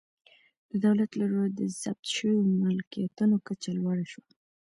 د دولت له لوري د ضبط شویو ملکیتونو کچه لوړه شوه